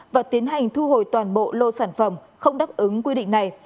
và tiến hành thu hồi toàn bộ lô sản phẩm không đáp ứng quy định này